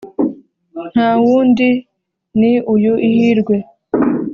ntawundi ni uyu ihirwe.